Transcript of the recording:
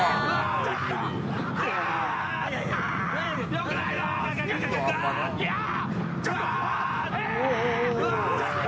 よくないぞー！